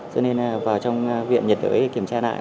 cho nên là vào trong viện nhật đới để kiểm tra lại